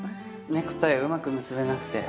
ネクタイうまく結べなくて。